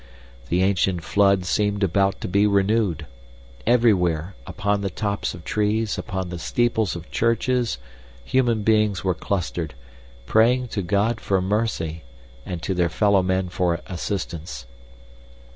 The ancient flood seemed about to be renewed. Everywhere, upon the tops of trees, upon the steeples of churches, human beings were clustered, praying to God for mercy and to their fellow men for assistance.